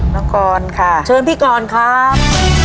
น้องกรค่ะเชิญพี่กรครับ